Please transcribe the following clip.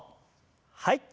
はい。